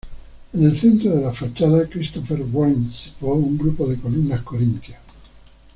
En el centro de las fachadas Christopher Wren situó un grupo de columnas corintias.